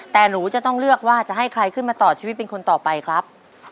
แต่หนูจะต้องเลือกว่าจะให้ใครขึ้นมาต่อชีวิตเป็นคนต่อไปครับ